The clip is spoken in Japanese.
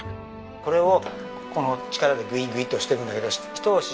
これをこの力でグイグイって押していくんだけど一押し